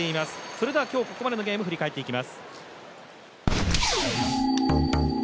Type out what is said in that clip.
それではここまでのゲーム振り返っていきます。